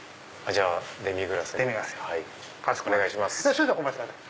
少々お待ちください。